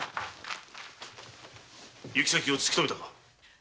行き先は突きとめたか？